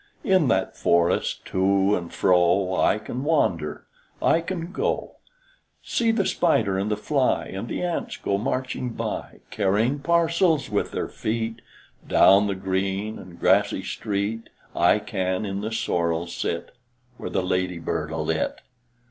In that forest to and fro I can wander, I can go; See the spider and the fly, And the ants go marching by Carrying parcels with their feet Down the green and grassy street I can in the sorrel sit Where the ladybird alit.